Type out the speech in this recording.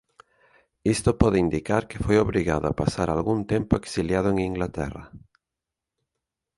Isto pode indicar que foi obrigado a pasar algún tempo exiliado en Inglaterra.